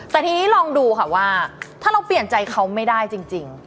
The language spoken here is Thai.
แต่ทีนี้ลองดูค่ะว่าถ้าเราเปลี่ยนใจเขาไม่ได้จริง